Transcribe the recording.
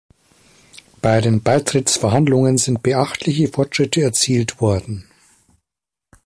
Bei den Beitrittsverhandlungen sind beachtliche Fortschritte erzielt worden.